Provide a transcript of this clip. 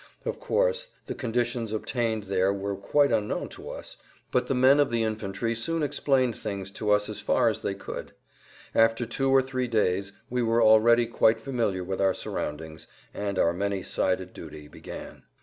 Of course, the conditions obtaining there were quite unknown to us, but the men of the infantry soon explained things to us as far as they could. After two or three days we were already quite familiar with our surroundings, and our many sided duty began.